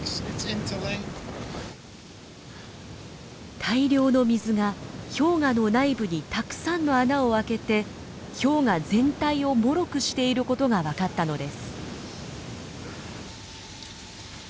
大量の水が氷河の内部にたくさんの穴を開けて氷河全体をもろくしていることが分かったのです。